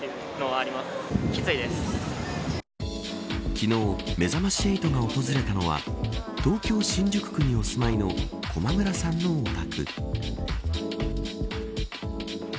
昨日、めざまし８が訪れたのは東京、新宿区にお住まいの駒村さんのお宅。